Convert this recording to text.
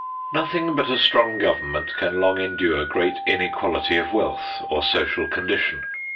Nothing but a strong government can long endure great inequality of wealth or social condition.